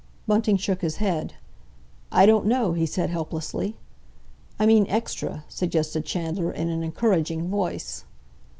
Bunting shook his head. "I don't know," he said helplessly. "I mean extra," suggested Chandler, in an encouraging voice.